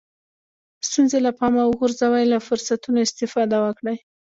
ستونزې له پامه وغورځوئ له فرصتونو استفاده وکړئ.